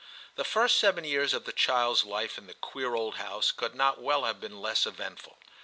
The first seven years of the child's life in the queer old house could not well have been less eventful.